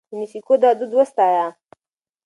يونيسکو دا دود وستايه.